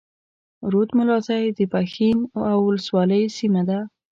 رود ملازۍ د پښين اولسوالۍ سيمه ده.